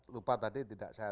lupa tadi tidak saya